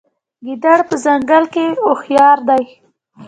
ګیدړ په ځنګل کې هوښیار دی.